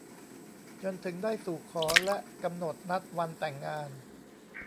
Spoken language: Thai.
จนถึงได้สู่ขอและกำหนดนัดวันแต่งงาน